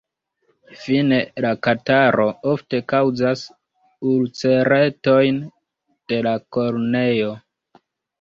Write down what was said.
Fine la kataro ofte kaŭzas ulceretojn de la korneo.